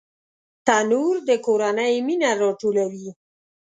تنور د کورنۍ مینه راټولوي